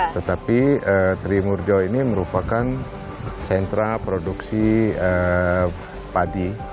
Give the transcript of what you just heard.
tetapi trimurjo ini merupakan sentra produksi padi